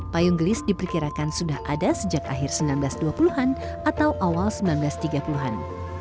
payung gelis diperkirakan sudah ada sejak akhir seribu sembilan ratus dua puluh an atau awal seribu sembilan ratus tiga puluh an